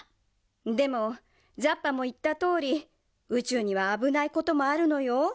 でもザッパもいったとおりうちゅうにはあぶないこともあるのよ。